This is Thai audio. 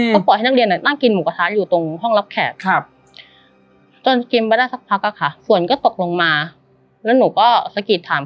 มาด้วยนะคะก็ปล่อยให้นักเรียนได้ตอนที่หมูกระทะอยู่ตรงห้องรับแขกครับกินเบื้อดับพักต่อค่ะควรก็ตกลงมาแล้วหนูก็ซักผิดถามพี่